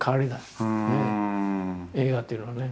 映画っていうのはね。